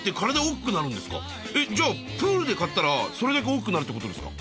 えっじゃあプールで飼ったらそれだけ大きくなるってことですか？